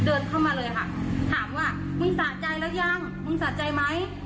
เดินเข้ามาเลยค่ะถามว่ามึงสะใจแล้วยังมึงสะใจไหม